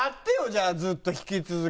じゃあずっと引き続き。